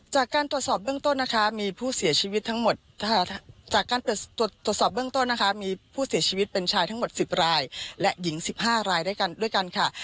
จากการตรวจสอบเบื้องต้นมีผู้เสียชีวิตทั้งหมด๑๐รายและหญิง๑๕ลายด้วยกันค่ะ